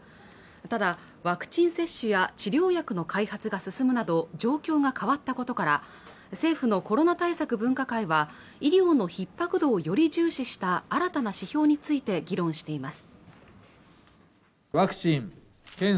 ただワクチン接種や治療薬の開発が進むなど状況が変わったことから政府のコロナ対策分科会は医療の逼迫度をより重視した新たな指標について議論しています